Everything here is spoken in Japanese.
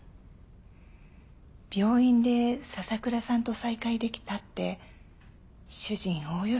病院で笹倉さんと再会できたって主人大喜びしてました。